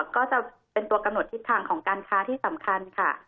ก็จะเป็นตัวกำหนดทิศทางของการค้าที่สำคัญค่ะ